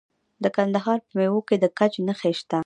د کندهار په میوند کې د ګچ نښې شته.